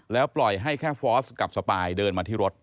แล้วปล่อยให้แค่ฟอสกับสปายเดินมาที่รถ